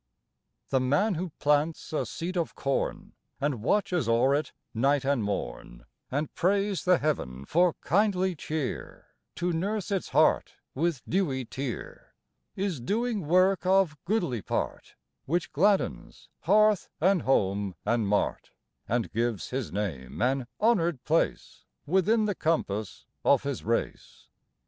THE man who plants a seed of corn And watches o'er it night and morn, And prays the heaven for kindly cheer To nurse its heart with dewy tear, Is doing work of goodly part Which gladdens hearth and home and mart, And gives his name an honored place Within the compass of his race.